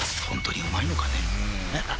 ホントにうまいのかね